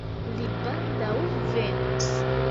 Li baldaŭ venos.